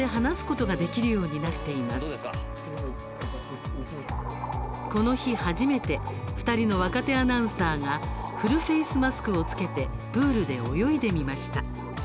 この日、初めて２人の若手アナウンサーがフルフェースマスクを着けてプールで泳いでみました。